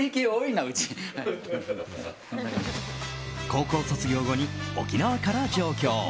高校卒業後に沖縄から上京。